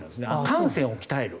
汗腺を鍛える。